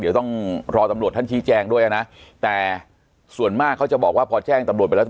เดี๋ยวต้องรอตำรวจท่านชี้แจงด้วยนะแต่ส่วนมากเขาจะบอกว่าพอแจ้งตำรวจไปแล้ว